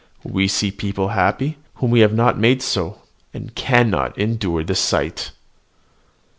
We see people happy, whom we have not made so, and cannot endure the sight."